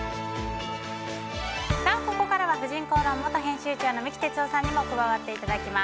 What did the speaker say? ここからは「婦人公論」元編集長の三木哲男さんにも加わっていただきます。